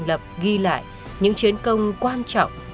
thành lập ghi lại những chiến công quan trọng